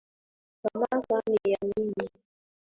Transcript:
Talaka ni ya nani?